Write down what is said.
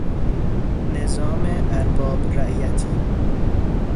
نظام ارباب رعیتی